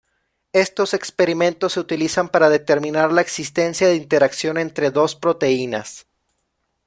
Estos experimentos se utilizan para determinar la existencia de interacción entre dos proteínas.